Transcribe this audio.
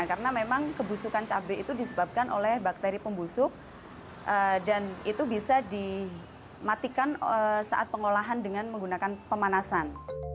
karena memang kebusukan cabai itu disebabkan oleh bakteri pembusuk dan itu bisa dimatikan saat pengolahan dengan menggunakan pemanasan